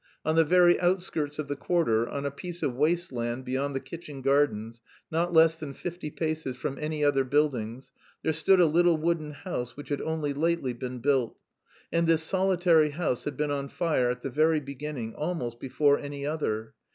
On the very outskirts of the quarter, on a piece of waste land beyond the kitchen gardens, not less than fifty paces from any other buildings, there stood a little wooden house which had only lately been built, and this solitary house had been on fire at the very beginning, almost before any other.